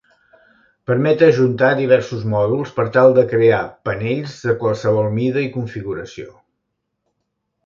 Permet ajuntar diversos mòduls per tal de crear panells de qualsevol mida i configuració.